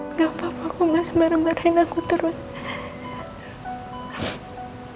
nama nama kumas merah merahin aku terus